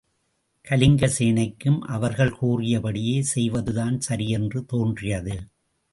கலிங்கசேனைக்கும் அவர்கள் கூறிய படியே செய்வதுதான் சரியென்று தோன்றியது.